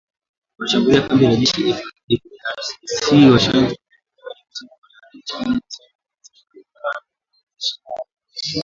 Walishambulia kambi za jeshi la FARDC za Tchanzu na Runyonyi, usiku wa tarehe ishirini na saba na ishirini na nane mwezi Machi